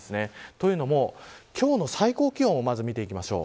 というのも、今日の最高気温を見ていきましょう。